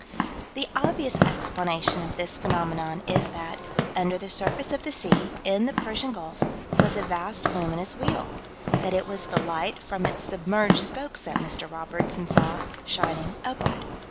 The obvious explanation of this phenomenon is that, under the surface of the sea, in the Persian Gulf, was a vast luminous wheel: that it was the light from its submerged spokes that Mr. Robertson saw, shining upward.